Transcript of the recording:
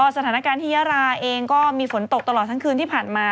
สถานการณ์ที่ยาราเองก็มีฝนตกตลอดทั้งคืนที่ผ่านมา